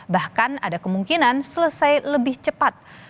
bahkan ada kemungkinan selesai lebih cepat